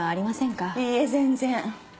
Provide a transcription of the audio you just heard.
いいえ全然。